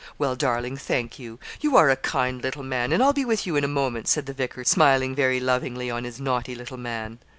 'Well, darling, thank you; you are a kind little man, and I'll be with you in a moment,' said the vicar, smiling very lovingly on his naughty little man.